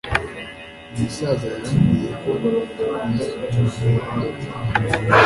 Umusaza yambwiye ko akunda kwicara kumuhanda.